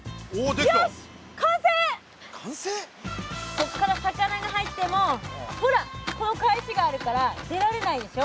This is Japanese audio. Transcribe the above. こっから魚が入ってもほらこの返しがあるから出られないでしょ。